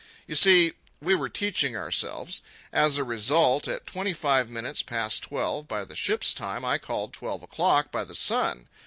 You see, we were teaching ourselves. As a result, at twenty five minutes past twelve by the ship's time, I called twelve o'clock by the sun.